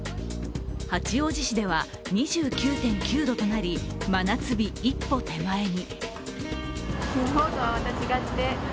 八王子市では２９．９度となり、真夏日一歩手前に。